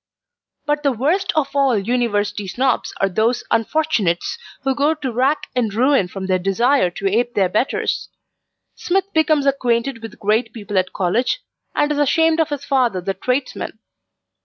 But the worst of all University Snobs are those unfortunates who go to rack and ruin from their desire to ape their betters. Smith becomes acquainted with great people at college, and is ashamed of his father the tradesman.